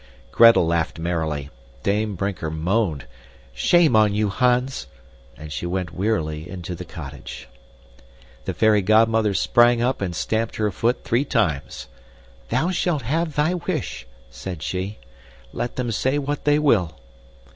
Gretel laughed merrily. Dame Brinker moaned. "Shame on you, Hans!" And she went wearily into the cottage. The fairy godmother sprang up and stamped her foot three times. "Thou shalt have thy wish," said she. "Let them say what they will."